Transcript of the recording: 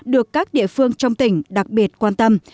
được các địa phương trong tỉnh đặc biệt quan tâm